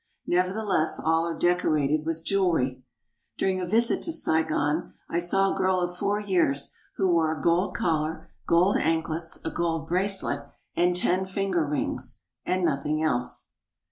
Nevertheless, all are decorated with jewelry. During a visit to Saigon, I saw a girl of four years who wore a gold collar, gold anklets, a gold bracelet, and ten finger rings, and — nothing else.